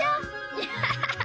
アハハハ！